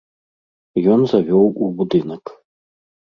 Ён завёў у будынак.